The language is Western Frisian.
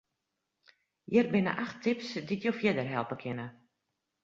Hjir binne acht tips dy't jo fierder helpe kinne.